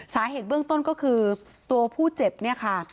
สาเหตุเบื้องต้นก็คือตัวผู้เจ็บเนี่ยค่ะ